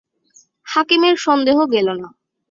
হাকিমের সন্দেহ গেল না।